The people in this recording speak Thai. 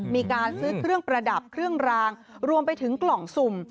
มีการซื้อเครื่องประดับเครื่องรางรวมไปถึงกล่องสุ่ม